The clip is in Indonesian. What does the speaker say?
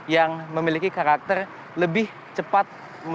yang memiliki karakter lebih cepat